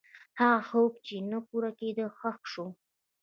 هغه خوب چې نه پوره کېده، ښخ شو.